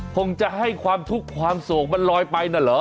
คงจะให้ความทุกข์ความโศกมันลอยไปน่ะเหรอ